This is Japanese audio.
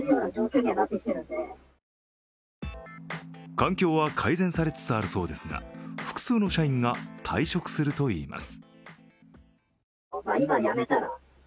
環境は改善されつつあるそうですが、複数の社員が退職するといいます。